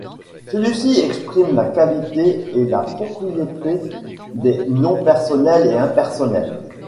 Ceux-ci expriment la qualité et la propriété des noms personnels et impersonnels.